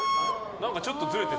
何かちょっとずれてる。